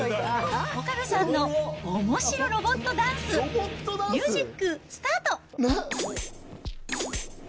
岡部さんのおもしろロボットダンス、ミュージックスタート。